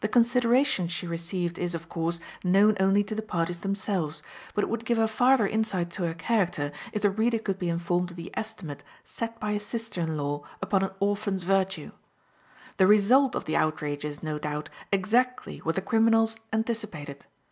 The consideration she received is, of course, known only to the parties themselves, but it would give a farther insight to her character if the reader could be informed of the estimate set by a sister in law upon an orphan's virtue. The result of the outrage is, no doubt, exactly what the criminals anticipated.